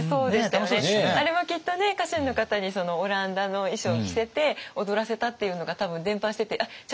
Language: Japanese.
あれもきっとね家臣の方にオランダの衣装着せて踊らせたっていうのが多分伝ぱしててじゃあ